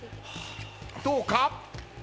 どうか？